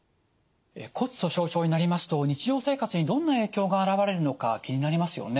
骨粗しょう症になりますと日常生活にどんな影響が現れるのか気になりますよね。